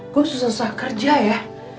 kok susah susah kerja ya